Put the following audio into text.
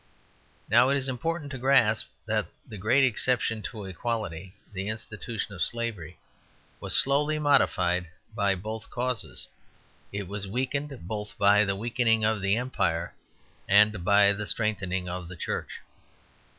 Now it is important to grasp that the great exception to equality, the institution of Slavery, was slowly modified by both causes. It was weakened both by the weakening of the Empire and by the strengthening of the Church.